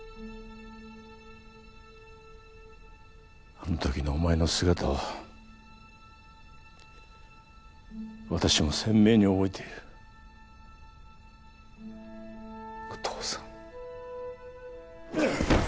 あの時のお前の姿を私も鮮明に覚えているお父さん